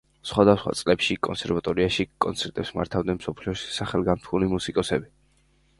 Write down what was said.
სხვადასხვა წლებში კონსერვატორიაში კონცერტებს მართავდნენ მსოფლიოში სახელგანთქმული მუსიკოსები.